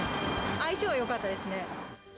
相性はよかったですね。